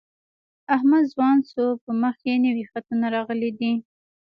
احمد ځوان شو په مخ یې نوي خطونه راغلي دي.